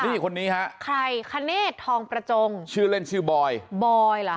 นี่คนนี้ฮะใครคเนธทองประจงชื่อเล่นชื่อบอยบอยเหรอ